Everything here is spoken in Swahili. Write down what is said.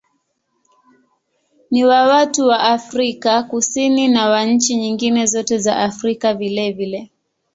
Ni wa watu wa Afrika Kusini na wa nchi nyingine zote za Afrika vilevile.